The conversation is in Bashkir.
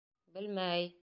Белмә-әй.